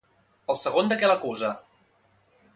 El segon de què l'acusa?